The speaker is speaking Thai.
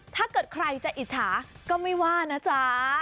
ถ้าเกิดใครจะอิจฉาก็ไม่ว่านะจ๊ะ